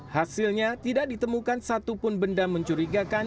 hasilnya tidak ditemukan satupun benda mencurigakan